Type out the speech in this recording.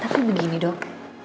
tapi begini dok